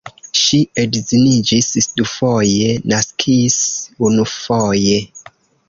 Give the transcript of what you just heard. Ŝi edziniĝis dufoje, naskis unufoje.